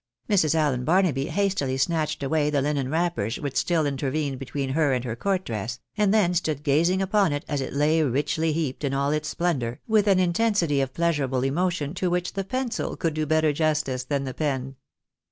Mrs. Allen Barnaby hastily snatched away the linen wrappers which still intervened between her and her court dress, and then stood gazing upon it as it lay richly heaped in all its splendour, with an intensity of pleasurable emotion to which the pencil could do better justice than the pen.